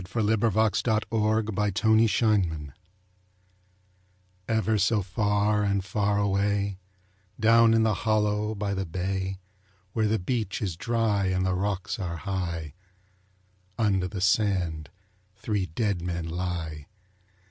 THE THREE DEAD MEN Los tres Muertos Ever so far and far away, Down in the hollow by the bay, Where the beach is dry and the rocks are high, Under the sand three dead men lie.